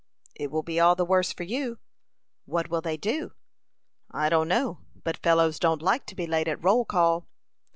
"It will be all the worse for you." "What will they do?" "I don't know; but fellows don't like to be late at roll call."